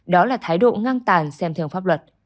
đó là thái độ ngang tàn xem thường pháp luật